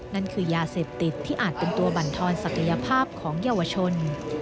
นั่นคือยาเสพติดที่อาจเป็นตัวบรรทอนศักยภาพของเยาวชน